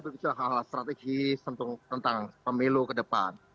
membuatnya lebih strategis tentang pemilu ke depan